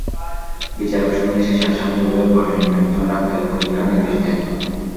বিচারক শুনানি শেষে আসামি রুবেলের বয়স নির্ণয়ের জন্য ডাক্তারি পরীক্ষার নির্দেশ দেন।